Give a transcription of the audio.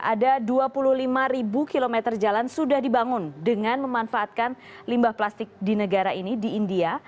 ada dua puluh lima km jalan sudah dibangun dengan memanfaatkan limbah plastik di negara ini di india